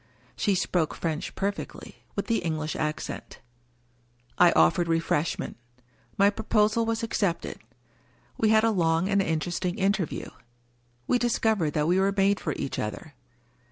(She spoke French perfectly — with the English accent.) I offered refreshment ; my proposal was accepted. We had a long and interesting interview — ^we discovered that we were made for each other.